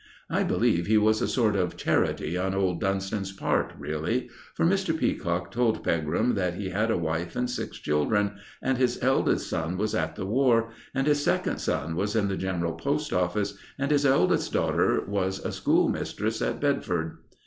I believe he was a sort of charity on old Dunston's part, really, for Mr. Peacock told Pegram that he had a wife and six children, and his eldest son was at the War, and his second son was in the General Post Office, and his eldest daughter was a schoolmistress at Bedford.